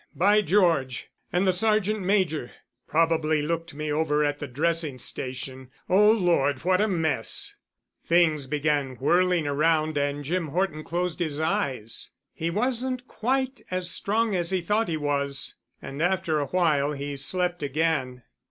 By George! And the Sergeant Major. Probably looked me over at the dressing station. Oh, Lord, what a mess!" Things began whirling around and Jim Horton closed his eyes; he wasn't quite as strong as he thought he was, and after a while he slept again.